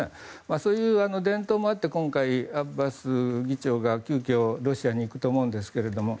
そういう伝統もあって今回アッバス議長が急きょ、ロシアに行くと思うんですけれども。